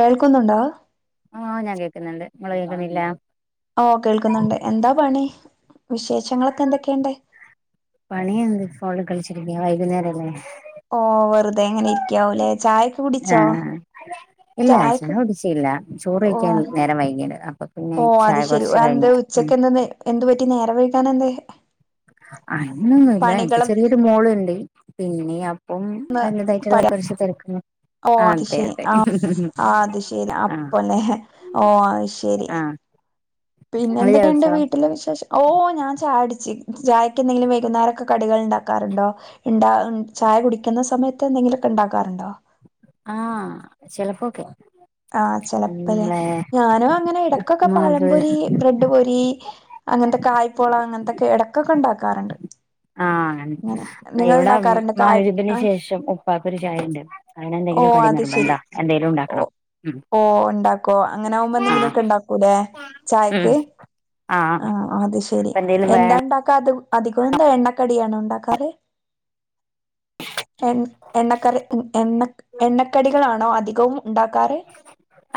കേൾക്കുന്നുണ്ടോ? ആഹ് ഞാൻ കേൾക്ക്‌ന്ന്ണ്ട് ഇങ്ങള് കേക്ക്‌ന്നില്ല? ഓഹ് കേൾക്ക്‌ന്ന്ണ്ട് എന്താ പണി വിശേഷങ്ങളൊക്കെ എന്തൊക്കെണ്ട്? പണിയെന്ത് ഫോണി കളിച്ചിരിക്ക്യ വൈക്ന്നേരല്ലെ? ഓഹ് വെറ്തെ ഇങ്ങനെ ഇരിക്കാവുലെ ചായൊക്ക കുടിച്ചോ? ആഹ് ഇല്ല ചായ ചായക്ക് കുടിച്ചില്ല ചോറ് ഓ കഴിക്കാന് നേരം വൈകിയാര്ന്ന് അപ്പൊ പിന്നെ ഓ അത് ചായ ശരി കൊറ്ച്ച് എന്ത് കഴിഞ്ഞിട്ട് ഉം ഉച്ചക്ക് ഇന്ന്ന്നെ എന്തു പറ്റി നേരം വൈകാനെന്തേ അങ്ങനൊന്നുല്ല എനിക്ക് ചെറിയൊരു മോള്ണ്ട് പിന്നെ അ പ്പം അതിന്റതായ്ട്ട്ള്ള കൊറ്ച്ച് തെരക്ക്. ഓഹ് അത് ശരി ആഹ് ആഹ് അത് ശരി ആഹ് അപ്പലേ ഓഹ് അത് ശരി. ആഹ് പിന്നെ ഇങ്ങള് ചായ എന്തൊക്കെണ്ട് കുടിച്ചോ വീട്ടിലെ വിശേഷം? ഓഹ് ഞാൻ ചായുടിച്ച് ചായക്കെന്തെങ്കിലും വൈകുന്നേരൊക്കെ കടികള്ണ്ടാക്കാറ്ണ്ടോ? ഇണ്ടാ ചായ കുടിക്ക്‌ന്ന സമയത്ത് എന്തെങ്കിലൊക്ക ഇണ്ടാക്കാറ്ണ്ടോ? ആഹ് ചെൽപ്പൊക്കെ ആഹ് ചെലപ്പൊലേ ഞാനും അങ്ങനെ ഇടക്കൊക്കെ ഉപ്പ്മാവ് പഴംപൊരീ ബ്രെഡ് പൊരീ അങ്ങൻത്ത കായ്പോള അങ്ങൻത്തെക്കെ എടക്കൊക്ക ഇണ്ടാകാറ്ണ്ട്. ആഹ് അങ്ങ ഇവ്ടെ ഉണ്ടാക്കാറുണ്ട് കായ് മയ്ബിരിന് ആഹ് ശേഷം ഉപ്പാക്കൊര് ചായണ്ട് അതിനെന്തെങ്കിലും കടി നിർബന്ധാ എന്തേലും ഉണ്ടാക്കണം ഉം ഓഹ് ഇണ്ടാക്കോ അങ്ങനെ ആവ്മ്പ ആ എന്തെങ്കിലൊക്ക ഇണ്ടാക്കൂലേ ഉം ചായക്ക്. ആ ആഹ് അത് ശെരി അപ്പൊ എന്തേലും വേണം എന്താണ്ടാക്ക അത് അധികം എന്താ എണ്ണക്കടിയാണോ ഇണ്ടാക്കാറ് എൺ എണ്ണക്കറി എണ്ണ എണ്ണക്കടികളാണോ അധികവും ഉണ്ടാക്കാറ്?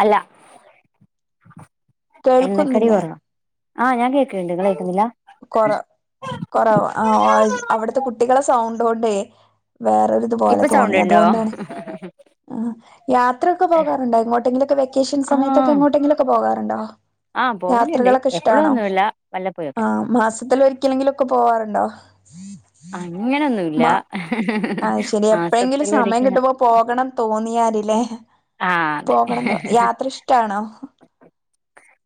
അല്ല എണക്കടി കേൾക്കുന്നില്ലേ കൊറവ. ആഹ് ഞാൻ കേക്ക്‌ൺണ്ട് ഇങ്ങള് കേക്ക്‌ന്നില്ല? കൊറ കൊറവാ ആഹ് അവ്ട്ത്തെ കുട്ടികളെ സൗണ്ട് കൊണ്ടേ വേറൊര് പോല ഇപ്പൊ സൗണ്ട് തോന്നി ഉണ്ടോ അതുകൊണ്ടാണ് ആഹ് യാത്രൊക്ക പോകാറുണ്ടോ എങ്ങോട്ടെങ്കിലൊക്കെ വെക്കേഷൻ സമയത്തൊക്ക എങ്ങോട്ടെങ്കിലും ക്കെ പോകാറുണ്ടോ ആഹ് പോവലിണ്ട് യാത്രകളൊക്കെ എപ്പളു ഇഷ്ടാണോ ഒന്നുല്ല ആഹ് മാസത്തില് ഒരിക്കലെങ്കിലൊക്ക പോവാറുണ്ടോ അങ്ങനൊന്നുല്ല മാ അത് ശരി എപ്പഴെങ്കിലും മാസത്തില് സമയം ഒരിക്കൽ കിട്ടുമ്പോ പോകണം തോന്നിയാല് ലേ ആ അതെ പോകണം തോ യാത്ര ഇഷ്ടാണോ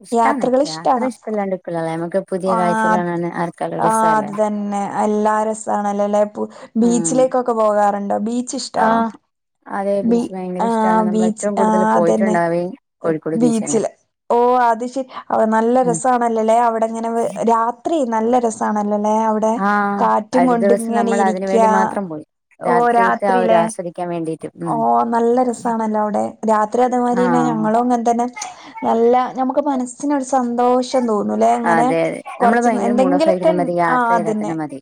ഇഷ്ടാണ് യാത്രകള് ഇഷ്ട്ടാണൊ യാത്ര ഇഷ്ടല്ലാണ്ടിരിക്കൂലല്ലേ നമുക്ക് പുതിയ കാഴ്ചകൾ ആഹ് കാണാൻ ആർക്കായാലും ആഹ് അത് രസല്ലേ തന്നെ അല്ലാ രസാണ് അല്ലെ അല്ല ഉം ബീച്ചിലേക്കൊക്ക പോകാറുണ്ടോ ബീച്ച് ആ ഇഷ്ടാണോ അതെ ബീ ബീച്ച് ഭയങ്കര ഇഷ്ടമാണ് ആഹ് നമ്മൾ ബീച്ച് ഏറ്റവും കൂടുതൽ ആഹ് അതന്നെ പോയിട്ടുണ്ടാവേ കോഴിക്കോട് ബീച്ച് തന്നെ ബീച്ചില് ഓഹ് അത് ശരി നല്ല ഉം. രസാണല്ലലെ അവിടെങ്ങനെ രാ ത്രി നല്ല രസണല്ലലേ അവിടെ ആഹ് കാറ്റും ഒരു കൊണ്ട് ദിവസം ഇങ്ങന നമ്മൾ അതിന് വേണ്ടി ഇരിക്യാ മാത്രം പോയി ഓഹ് രാത്രിയത്തെ ആ ഒരു രാത്രിലേ ആസ്വദിക്കാൻ വേണ്ടിട്ട് ഉം ഓഹ് നല്ല രസാണല്ലെ അവിടെ രാത്രി അതെ മാതിരി തന്നെ ആഹ് ഞങ്ങളും അങ്ങൻ തന്നെ നല്ല നമുക്ക് മനസ് മനസ്സിന് ഒരു സന്തോഷം തോന്നുലെ ഇങ്ങനെ അതെ അതെ നമ്മള് കൊറ്ച്ച് ഭയങ്കര മൂഡ് ഓഫ് എന്തെങ്കിലൊക്കെ ആയിരിക്കുന്ന മതി ആഹ് യാത്ര ചെയ്താൽ അതെന്നെ തന്നെ മതി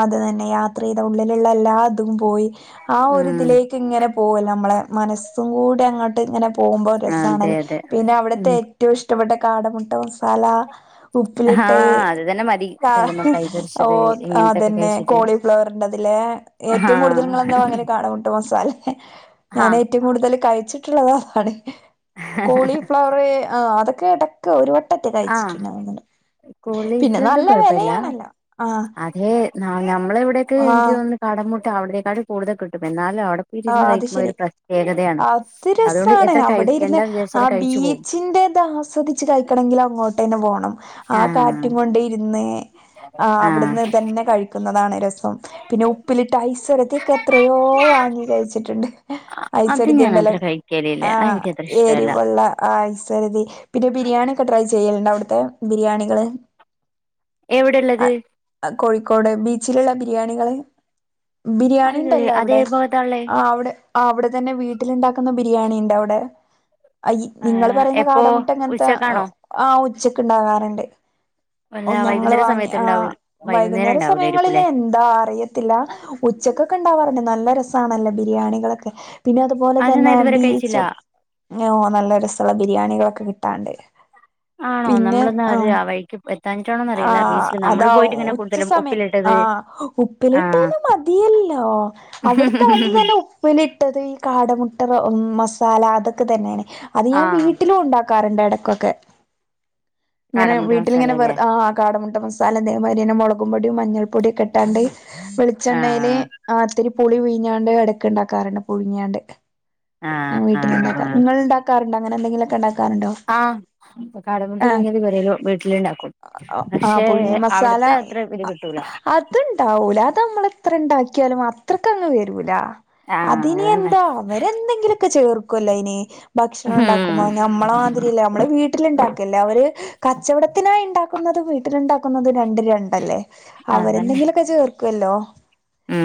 അത് തന്നെ യാത്രീത ഉള്ളില്ള്ള എല്ലാതും പോയി ആഹ് ഒര് ഇതിലേക്ക് ഉം ലേക്ക് ഇങ്ങനെ പോകല്ലെ നമ്മളെ മനസ്സും കൂടി അങ്ങ്ട്ട് ഇങ്ങനെ പോവുമ്പൊ അതെ രസാണല്ലൊ അതെ പിന്നെ ഉം അവിട്ത്തെ ഏറ്റവും ഇഷ്ടപ്പെട്ട കാടമുട്ട റോ മസാല ആഹ് ഉപ്പിലിട്ടയ് അത് തന്നെ മതി കല്ലുമ്മക്കായ് പൊരിച്ചത് ഇങ്ങനത്തൊക്കെ അതെന്നെ കഴിച്ചിട്ട് കോളിഫ്ല ഫ്ലവറിന്റത് ലെ ആഹ് ഏറ്റവും കൂടുതല് ഇങ്ങളെന്ത വാങ്ങല് കാടമുട്ട മസാലെ ഞാൻ ആഹ് ഏറ്റ ഏറ്റവും കൂടുതൽ കഴിച്ചിട്ടുള്ളത് അതാണ് കോളിഫ്ലവറ് ആഹ് അതൊക്കെ എടയ്ക് ക്ക് ഒരു വട്ടറ്റെ ആഹ് കഴിച്ചിട്ടുണ്ടാ [unintelligible] പിന്നെ കോളിഫ്ലവറും നല്ല വിലയാണല്ലോ ആഹ് അത് ഞമ്മളെ ഇവിടേക്കെ എനിക്ക് ആഹ് തോന്ന്ണ് കാടമുട്ട അവിടേക്കാഴീം കൂടുതൽ കിട്ടും എന്നാലും അവിടെ പോയിട്ടിരുന്ന് ആഹ് അത് കഴിക്കുമ്പോ ശരി ഒരു പ്രത്യേകതയാണ് അത് അതുകൊണ്ട് രസാണ് എത്ര അവിടെ ഇരുന്ന് കഴിക്കണ്ട ആ വിചാരിച്ചാലും കഴിച്ചു പോകും ബീച്ചിന്റെ ഇത് ആസ് സ്വദിച്ച് കഴിക്കണമെങ്കിൽ അങ്ങോട്ട്ന്നെ പോകണം ആ ആഹ് കാറ്റും കൊണ്ട് ഇരുന്ന് ആഹ് അവിടുന്ന് തന്നെ കഴിക്കുന്നതാണ് രസ സം പിന്നെ ഉപ്പിലിട്ട് ഐസൊരതിക്കെ എത്രയോ വാങ്ങി കഴിച്ചിട്ടുണ്ട് അത് ഐസൊരതി ഞാൻ ഉണ്ടല്ലോ അത്ര കഴിക്കലില്ല അത് ആഹ് എനിക്കത്ര ഇഷ്ടല്ല എരിവൊള്ള ആഹ് ഐസൊരതി പിന്നെ ബിരിയാണി ഒക്കെ ട്രൈ ചെയ്യലുണ്ടോ അവിടുത്തെ ബിരിയാണികള് എവിടെള്ളത് അ- കോഴിക്കോട് ബീച്ചിലുള്ള ബിരിയാണികള് ബിരിയാണി ണ്ടല്ലോ അവിടെ എന്താള്ളെ ആഹ് അവിടെ അവിടെ തന്നെ വീട്ടിൽ ഉണ്ടാക്കുന്ന ബിരിയാണി ഇണ്ട് അവിടെ അയ് നിങ്ങൾ ആഹ് പറയുന്ന എപ്പോ കാടമുട്ട അങ്ങനത്തെ ഉച്ചക്കാണോ ആഹ് ഉച്ചക്ക് ഉണ്ടാകാറുണ്ട് അല്ല ഓ ഞങ്ങള് വൈകുന്നേര വാങ്ങി സമയത്ത് ഉണ്ടാവൂ ആഹ് വൈകുന്നേരം വൈകുന്നേര സമയങ്ങളില് ഉണ്ടാവൂലായിരിക്കുംല്ലേ ന്താ അറിയത്തില്ല ഉച്ചക്കൊക്കെ ഉണ്ടാവാറുണ്ട് നല്ല രസാണല്ലോ ബിരിയാണികളൊക്കെ പിന്നെ അതുപോലെ അതെന്നാ തന്നെ ഇതുവരെ കഴിച്ചില്ല ബീച്ചും നല്ല രസള്ള ബിരിയാണികളൊക്കെ കിട്ടാൻണ്ട് ആണോ പിന്നെ നമ്മളിന്നാ ഒരു ആഹ് ആ വഴിക്ക് എത്താഞ്ഞിട്ടാണോന്നറിയില്ല ആഹ് ബീച്ചില് നമ്മള് അതാ പോയിട്ടിങ്ങനെ ഉച്ച കൂടുതലും സമയത്ത് ഉപ്പിലിട്ടത് ആഹ് ആഹ് ഉപ്പിലിട്ടെതന്നെ മതിയല്ലോ അവിടുത്തെ അത് തന്നെ ഉപ്പിലിട്ടത് ഈ കാടമുട്ട മസാല അതൊക്കെ തന്നെയാണ് അത് ഞാൻ ആഹ് വീട്ടിലും ഉണ്ടാക് ക്കാറുണ്ട് എടക്കൊക്കെ ഇങ്ങനെ കാടമുട്ട വീട്ടിലിങ്ങനെ മസാലയല്ലേ വെർതെ ആഹ് കാടമുട്ട മസാല ഇതേമാതിരി തന്നെ മുളകും പൊടിയും മഞ്ഞൾപ്പൊടിയൊക്കെ ഇട്ടാണ്ട് വെളിച്ചെണ്ണയില് ആഹ് ആഹ് ത്തിരി പുളി പീഞ്ഞാണ്ട് എടക്ക് ഇണ്ടാക്കാറുണ്ട് പുഴുങ്ങിയാണ്ട് ഞാൻ ആഹ് ആഹ് വീട്ടിൽണ്ടാക്കാം ആഹ് നിങ്ങൾ ഇണ്ടാക്കാറുണ്ടോ അങ്ങനെ എന്തെങ്കിലൊക്കെ ഇണ്ടാക് ആഹ് കാടമുട്ട പീങ്ങിയത് പെരേലും വീട്ടിലുണ്ടാക്കും ആഹ് പക്ഷെ പുഴുങ്ങിയ മസാല അവിടുത്തെ അത്ര [unintelligible] കിട്ടൂല അത്ണ്ടാവൂല അത് നമ്മൾ ഇത്ര ഇണ്ടാക്കിയാലും അത്രക്കങ്ങ് വരൂല അതിനി ആഹ് അത് തന്നെ എന്താ അവരെന്തെങ്കിലൊക്കെ ചേർക്കല്ലോ അയ്ന് ഭക്ഷണം ഉണ്ടാക്കുമ്പോ ഉം ഞമ്മളെ മാതിരില്ല നമ്മള് വീട്ടില്ണ്ടാക്കല്ലേ അവര് കച്ചവടത്തിനായി ഇണ്ടാക്കുന്നതും വീട്ടില്ണ്ടാക്കുന്നതും രണ്ടും രണ്ടല്ലേ? അതന്നെ അവരെന്തെങ്കിലൊക്കെ ചേർക്ക്വല്ലോ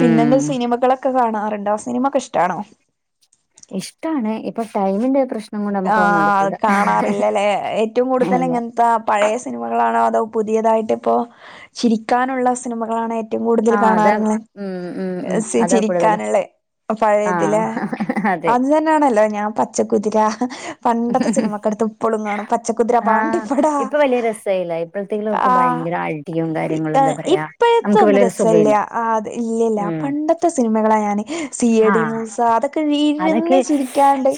പിന്നെന്താ സിനിമകളൊ ക്കെ കാണാറുണ്ടോ സിനിമ ഒക്കെ ഇഷ്ടാണോ? ഇഷ്ടാണ് ഇപ്പൊ ടൈമിന്റെ പ്രശ് ആഹ് അത് കാണാറില്ലല്ലേ? ഏറ്റവും കൂടുതൽ അല്ല എങ്ങൻത്താ പഴയ സിനിമകളാണോ അതോ പുതിയതായിട്ടിപ്പോ ചിരിക്കാനുള്ള സിനിമകളാണോ ഏറ്റ് റ്റോം കൂടുതല് ആഹ് അതാ കാണാറ് ങ്ങള്? ഉം ഉം ഉം ഏഹ് സി അതാ കൂടുതലും ചിരിക്കാന്ള്ളേ. അപ്പൊ ആഹ് പഴേതില് അതെ അത് തന്നാണല്ലോ ഞാൻ പച്ചക്കുതിര പണ്ടത്തെ സിനിമക്കെടുത്ത് ഇപ്പളും കാണും പച്ചക്കുതിര, ആഹ് പാണ്ടിപ്പട. ഇപ്പൊ വലിയ രസയില്ല ഇപ്പോഴത്തേക്കും ഒക്കെ ആഹ് ഭയങ്കര അടിയും ഇ കാര്യങ്ങളും എന്താ ആഹ് പറയാ നമുക്ക് ഇപ്പഴ്ത്തൊന്നും വലിയൊരു രസല്ല. സുഖമില്ല ആത് ഇല്ലല്ല. ഉം പണ്ട ത്തെ സിനിമകളാ ഞാന് സി ഐ ഡി ആഹ് മൂസ അതൊക്കെ ഇര്ന്ന് ചിരിക്കാണ്ട്.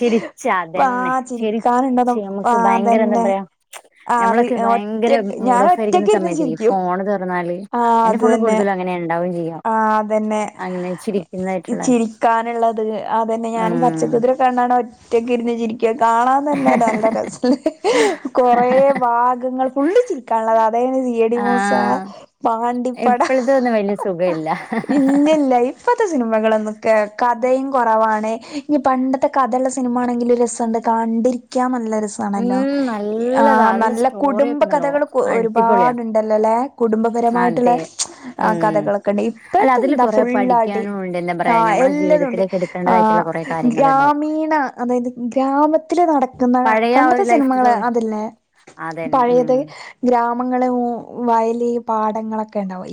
തന്നെ ആഹ് ശരി‌ ചിരിക്കാനുണ്ടതും ശ്ശെ നമുക്ക് ആഹ് ഭയങ്കര എന്താ അതന്നെ പറയാ ആഹ് ഞമ്മളൊക്കെ ഒറ്റ ഭയങ്കര ഞാൻ മൂഡ് ഓഫ് ആയിരിക്കുന്ന ഒറ്റക്ക് ഇരുന്ന് സമയത്ത്ല്ലേ ഈ ചിരിക്കും ഫോണ് തൊറന്നാല് ആഹ് എന്റെ അത് ഫോണിൽ തന്നെ കൂടുതലും അങ്ങനേണ് ഇണ്ടാവും ചെയ്യാ. ആഹ് അതന്നെ. ഈ ചിരിക്കാന്ള്ളത് അതന്നെ ഞാനും ഉം പച്ചക്കുതിര അത് കണ്ടാണ്ട് ഒറ്റക്കിര്ന്ന് ചിരിക്ക കാണാൻ തന്നെ നല്ല രസല്ലേ? കൊറേ ഭാഗങ്ങൾ ഫുള്ള് ചി ക്കാള്ള കഥേണ് C I T Moosa Pandippada. ഇപ്പൊന്നും വല്ല്യ സു ഇല്ലല്ല ഇ ഇപ്പത്തെ സിനിമകളന്നൊക്കെ കഥയും കൊറവാണ് ഇനി പണ്ടത്തെ കഥള്ള സിനിമാണെങ്കില് രസണ്ട്. കാണ്ടിരിക്കാൻ നല്ലര ഉം സാണല്ലോ നല്ലതാ ആഹ് അതില് നല്ല കുടുംബ സ്റ്റോറിയൊക്കെ ഉണ്ടല്ലോ കഥകള് അടിപൊളിയാ ഒരുപാട്. ണ്ടല്ലൊലേ കുടുംബപരമായിട്ട്ള്ള അതെ ആ ഉം കഥകള്. അല്ല അതില് ഇപ്പഴത്തെന്താ കൊറെ ഫുള്ളടി പഠിക്കാനും ഉണ്ട് എന്താ പറയാ ആഹ് ഞമ്മളെ എല്ലാതുണ്ട് ജീവിതത്തിലേക്ക് എടുക്കേണ്ടതായിട്ടുള്ള ആഹ് കൊറെ കാര്യങ്ങൾ ഉണ്ടാവും ഗ്രാമീണ. അതായ്ത് ഗ്രാമത്തില് നടക്ക്‌ന്ന പഴയ ആ ഒരു പണ്ടത്തെ ലൈഫ് സിനിമകള് സ്റ്റോറി അതല്ലേ അതന്നെ ഉം പഴയത്. ഗ്രാമങ്ങളും വയല് പാടങ്ങളൊക്കെണ്ടാവും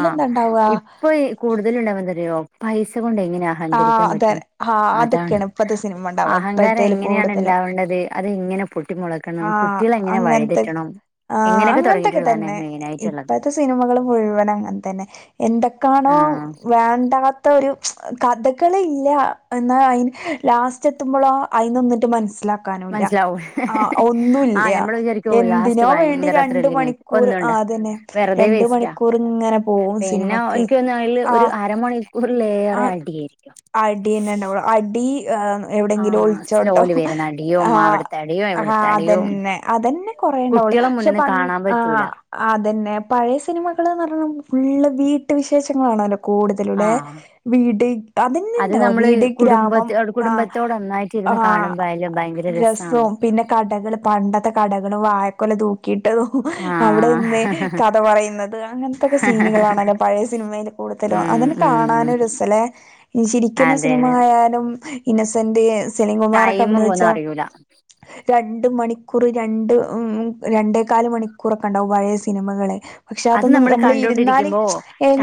ആഹ് ഇപ്പൊ ഈ കൂടുതലും ഇണ്ടാവെന്താറിയോ പൈസ കൊണ്ട് എങ്ങനാ. ആ അഹങ്കരിക്കാൻ അതെ പറ്റും ആ അതാണ് അതൊക്കെയാണ് ഇപ്പത്തെ സിനിമ ഉണ്ടാവുക അഹങ്കാരം ഇപ്പോഴത്തേല് എങ്ങനെയാണ് കൂടുതലും ഇണ്ടാവണ്ടത് അതെങ്ങനെ. പൊട്ടി മുളക്കണം ആഹ് കുട്ടികളെങ്ങനെ അങ്ങൻത്തെ വഴിതെറ്റണം. ആഹ് ഇങ്ങനെയൊക്കെ അങ്ങൻത്തൊക്കെ തുടങ്ങിയിട്ടുള്ളതന്നെ തന്നെ. മെയിൻ ഇപ്പ ആയിട്ടുള്ളത് ത്തെ സിനിമകള് മുഴുവനങ്ങൻത്തന്നെ എന്തൊക്കാണോ ആഹ് വേണ്ടാത്ത ഒരു. കഥകളില്ല എന്ന അയ്ന് ലാസ്റ്റ് എത്തുമ്പളോ അയ്ന്നൊന്നിട്ട് മൻസ്സിലാ ക്കാനൂല്ല മനസ്സിലാവും ആ ഒന്നൂല്ല ആഹ് ഞമ്മള് വിചാരിക്കും ഓഹ് ലാസ്റ്റ് എന്തിനോ വേണ്ടി ഭയങ്കര രണ്ട് മണി ത്രില്ലിങ്ങായിരിക്കും ക്കൂറ് ഒന്നുണ്ട ആഹ് അതന്നെ വെറുതെ രണ്ട് വേസ്റ്റാ മണിക്കൂറിങ്ങനെ പോവും സിനിമക്കേ ആഹ്. കൂടുലേറെ ആ അടിയാരിക്കും. അടിയന്നെ ഇണ്ടാവൊള്ളൂ അടി ഏഹ്. എവിടെങ്കിലു ആഹ് ഒൾച്ചോട്ടോ സ്ലോയില് വരുന്ന അടിയും ആഹ് അവിടുത്തെ അടിയും ആഹ് ഇവിടുത്തെ അടിയും അതന്നെ അതന്നെ. കൊറേണ്ടാവൊള്ളു കുട്ടികളെ പക്ഷെ മുന്നിന്ന് പണ്ട് കാണാൻ പറ്റൂല ആഹ്. അതന്നെ പഴയ സിനിമകള്ന്നർഞ്ഞ നമുക്ക് ഫുള്ള് വീട്ട് വിശേഷങ്ങളാണല്ലോ കൂട് തലൂലെ ആഹ് വീട്. അത് അതന്നെണ്ടാവൂ നമ്മള് വീട് ഗ്രാമം കുടുംബത്തി ആഹ് കുടുംബത്തോട് ഒന്നായിട്ടിരുന്ന് ആഹ് കാണുമ്പോ അതില് ഭയങ്കര രസാണ് രസവും. പിന്നെ കടകള് പണ്ടത്തെ കടകളും വായക്കൊല തൂ ക്കീട്ടതും അവിടെ നിന്ന് ആഹ് കഥ പറയുന്നത് അങ്ങൻത്തൊക്കെ സീന്കളാണല്ലോ പഴയ സിൻമയില്. കൂടുതലും ഉം അതന്നെ ഉം കാണാനും രസലേ. ചിരിക്കുന്ന അതെ അതെ സിനിമായാലും ഇന്നസെന്റ് സെലിംകുമാറൊക്കെ ടൈമ് അഭിനയിച്ച. പോന്ന അറിയൂല രണ്ട് മണിക്കൂറ് രണ്ട് ഉം ഉം രണ്ടേകാല് മണിക്കൂറൊക്കെണ്ടാവും പഴേ സിനിമകളെ. പക്ഷെ അത് അതൊന്നും നമ്മള് ഇരുന്നാല് കണ്ടോണ്ടിരിക്കുമ്പോ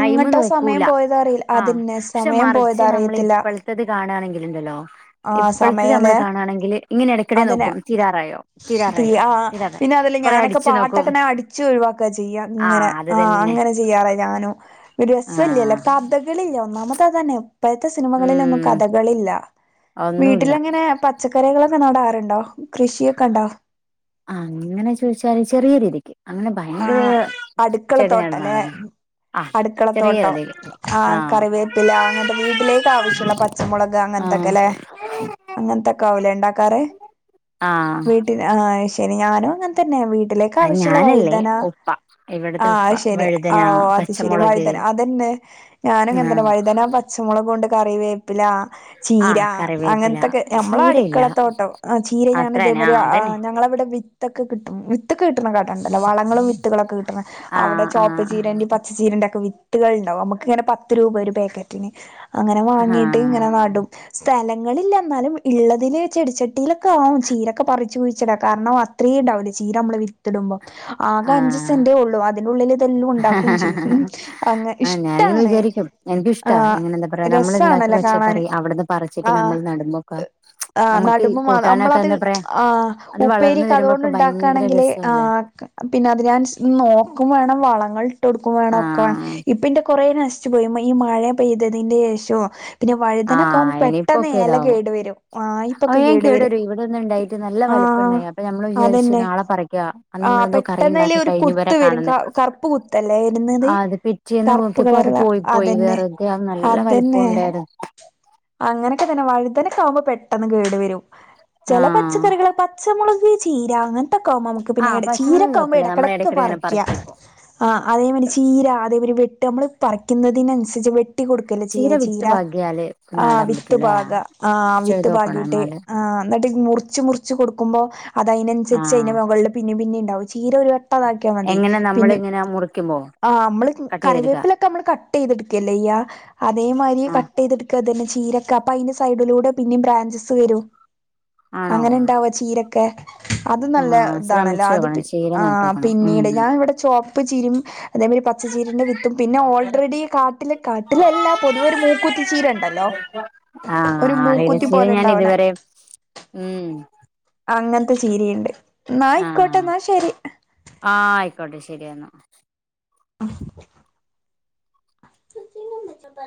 ടൈമ് സമയം നോക്കൂല പോയതറീല അതന്നെ സമയം പോയ റ്റ് നമ്മള് ഇപ്പഴ്ത്തത് കാണാണെങ്കില്ണ്ടല്ലോ. ആ ഇപ്പഴ്ത്തത് നമ്മള് സമയല്ലേ കാണാണെങ്കില് ഇങ്ങനെ എടയ്ക്കിടെ അതന്നെ നോക്കും തീരാറായോ. തീ തീരാറായോ ആഹ് തീരാറായോ പിന്നെ അതല്ലേ കൊറെ ഞാനൊക്കെ അടിച്ചു നോക്കും പാട്ടൊക്കെ അട ച്ച് ഒഴിവാക്ക ചെയ്യ. ഇങ്ങനെ. അത് ആഹ് തന്നെ അങ്ങനെ ചെയ്യാറ ഞാനും. ഒര് സ്സൊല്യലെ. ആഹ് കഥ ക കളില്ല. ഒന്നാമത്തെ അതാണ്. ഇപ്പയത്തെ സിനിമകളിലൊന്നും ഉം കഥകളില്ല. ഒന്നുല്ല വീട്ടിലങ്ങനെ പ പച്ചക്കറികളൊക്കെ നടാറ്ണ്ടോ കൃഷിയൊക്കെണ്ടോ ആഹ് അങ്ങനെ ചോദിച്ചാല് ചെറിയ രീതിക്ക് അങ്ങനെ ഭയങ്കര ആഹ് അടുക്കള ചെടി തോട്ടല്ലേ നടന്നാണെന്ന് ആഹ് ചെറിയ അടുക്കളത്തോട്ടം രീതിയിൽ ആഹ് കറിവേപ്പില അങ്ങനത്തെ വീട്ടിലേക്ക് ആവശ്യമുള്ള പ ച്ചമുളക് ആഹ് അങ്ങൻത്തക്കെലെ അങ്ങൻത്തക്കാവൂലേ ഇണ്ടാക്കാറ് ആഹ് ആഹ് അത്ശരി ഞാനും അങ്ങനെ തന്നെ വീട്ടിലേക്ക് അത് ആവശ്യള്ള വ ഞാനല്ലേ ഉപ്പ ഇവിടത്തെ ആഹ് ഉപ്പ അത്ശെരി വഴുതന ആ അത് ശരി പച്ചമുളക് വഴുതന അതന്നെ ഞാനും ആ അങ്ങനതന്നെ വഴുതനാ പച്ചമൊളകൂണ്ട് കറിവേപ്പിലാ ആ ചീര കറിവേപ്പില അങ്ങനത്തൊക്കെ ഞമ്മളെ ചീരയില്ല അടുക്കളത്തോട്ടം ചീര ഞാൻ ഇതേ അത്രന്നെ ആ മാതിരി അതന്നെ ഞങ്ങളിവിടെ വി വിത്തൊക്കെ കിട്ടും വിത്തൊക്കെ കിട്ടുന്ന കട ഇണ്ടല്ലോ വളങ്ങളും വിത്തുകളൊക്കെ കിട്ട്ണ ആ അവ്ടെ ആ ചോപ്പ് ചീരന്റിം പ പച്ച ചീരന്റെ ഒക്കെ വിത്തുകൾ ഇണ്ടാവും നമ്മക്ക് ഇങ്ങനെ പത്ത് രൂപ ഒരു പാക്കറ്റിന് അങ്ങനെ ആ വാങ്ങിട്ട് ഇങ്ങനെ നടും സ്ഥലങ്ങളില്ല എന്നാലും ഉള്ളതില് ചെടിച്ചട്ടിയിലൊക്കെ ആവും ചീരൊക്കെ പറിച്ച്പഴിച്ചടാ കാരണം അ ത്രേ ഉണ്ടാവ്ള്ള് ചീര മ്മള് വിത്തിടുമ്പോ. ആകെ ആ അഞ്ച് സെന്റേ ഒള്ളു. അതിനു ള്ളില് പ്പൊ എല്ലും ഉണ്ടാക്കും ചെയ്യും. അങ്ങ് ആ ഞാനിങ്ങനെ ഇഷ്ട്ടാണ്. വിചാരിക്കും എനിക്കിഷ്ടാ ആഹ് ഇങ്ങനെ എന്താ പറയാ നമ്മൾ ഉണ്ടാക്കിയ രെസാണല്ല കാണാന് പച്ചക്കറി അവിടുന്ന് പറിച്ചിട്ട് ആഹ് നമ്മൾ നടുമ്പോക്കെ ആ നമുക്ക് നടുമ്പ മാ കൂട്ടാനൊക്കെ അമ്മളത് എന്താ പറയാ ആഹ് അത് വളർന്ന് ഉപ്പേരിക്കെ അതോണ്ട് വരുമ്പോക്കെ ഭയങ്കര ഇണ്ടാക്കാണെങ്കില്. രസല്ലേ ആഹ് പിന്ന അതിനാൻസ് നോക്കും വേണം. വളങ്ങൾട്ടൊടുക്കും വേണം. ആ ഒക്കെ വേണം. ഇപ്പന്റെ കൊറേ നശി ച്ച് പോയുമ്പോ ഈ മഴ പെയ്തതിന്റെ ശേഷോ പിന്നെ ആ വഴുതനൊക്ക ആവുമ്പോ പെട്ടെന്ന് ഇനിയിപ്പോക്കെ ഇല ഇതാവും കേടു വരും വായ്പൊക്കെ കേടു വരും ട്ട് നല്ല ആഹ് വലിപ്പണ്ടായി. അപ്പ ഞമ്മള് വിചാരിച്ച് അതന്നെ നാളെ പറിക്യാ. ആ പെട്ടെന്നയില് ഒരു കുത്ത് വെരും ക കറുപ്പ് കുത്തല്ലേ വെരുന്നത്. ആ അത് പിറ്റേന്ന് കറുപ്പ് നോക്കിയപ്പോ അത് കളറള്ള പോയി പോയി അതന്നെ വെറുതെ അത് നല്ല വലിപ്പം അതന്നെ ഉണ്ടായിരുന്നു അങ്ങനെക്കെ തന്നെ. വഴുതനക്കാ വുമ്പ പെട്ടെന്ന് കേട് വരും. ചെല ആഹ് പച്ചക്കറികളക്കെ പച്ചമുളക്, ചീര അങ്ങനത്തൊക്കെകുമ്പോ നമുക്ക് ആഹ് പിന്നെ പച്ചമുളക് ചീരൊക്കെകുമ്പോ കുഴപ്പല്ല നമ്മള് ഇടക്കിടക്ക് ഇടയ്ക്കിടെ ഇങ്ങനെ പറിക്ക പറിക്കും ഇപ്പൊ ആഹ് അതേമാരി ചീര, അതേപോലെ വെട്ടും നമ്മള് പറക്കുന്നതിനനുസരിച്ച് വെട്ടി കൊട് ക്കല്ലേ ചെയ്യ വിത്ത് ചീര പാകിയാല് ആ നടാൻ വിത്ത് പറ്റൂലേ പാക ആ വിത്ത് ചെയ്തോക്കണം പാകീട്ട് എന്നാല് ആഹ് എന്നിട്ട് മുറിച്ച് മുറിച്ച് കൊടുക്കുമ്പോ അത് അയിനനുസരിച്ച് ആഹ് അതിന്റെ മുകളിൽ പിന്നേും പിന്നെ ഉണ്ടാവും ചീര ഒരു അതാക്ക്യാ മതി എങ്ങനെ പിന്നെ നമ്മളിങ്ങനെ മുറിക്കുമ്പോ ആഹ് മ്മള് കട്ട് ചെയ്തെടുക്കാ കറിവേപ്പിലൊക്കെ നമ്മള് കട്ടെയ്ത്ട്ക്കല്ലേ എയ്യാ അതേമായ്രി ആഹ് കട്ട് തെടുക്കതന്നെ ചീരക്ക അപ്പ അതിന്റെ സൈഡിലൂടെ പിന്നെ ബ്രാഞ്ചസ് വരും ആണോ അങ്ങനെണ്ടാവ ചീരക്കെ. അത് നല്ല ആഹ് താണല്ലേ. അത് ശ്രമിച്ചോക്കണം ചീര ആ നട്ടോക്കണം പിന്നീട് ഉം ഞാൻ ഇവിടെ ചൊവപ്പ് ചീരിം അതേമാരി പച്ചച്ചീരിന്റെ വിത്തും പിന്നെ ഓൾറെഡി കാ കാട്ടിലെ കാട്ടില്ലാ പൊതുവെ ഒരു മൂക്കുത്തി ചീര ഉണ്ടല്ലോ? ആഹ് ഒരു അറിയില്ല മൂക്കുത്തി ചീര പോലെ ഞാൻ ഉണ്ടാവണെ ഇതുവരെ ഉം അങ്ങനത്തെ ചീരിയുണ്ട് എന്നാ ആയിക്കോട്ടെ ആഹ് എന്നാ ശരി ആയിക്കോട്ടെ. ശെരിയെന്ന. ച്ചന്ന മച്ച പ [unintelligible]